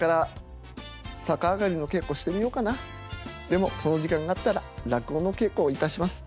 でもその時間があったら落語の稽古をいたします。